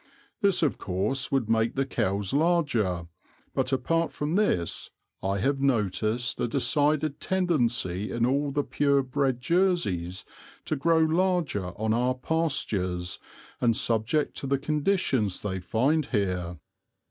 This, of course, would make the cows larger; but apart from this, I have noticed a decided tendency in all the pure bred Jerseys to grow larger on our pastures and subject to the conditions they find here."